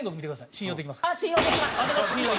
信用できます。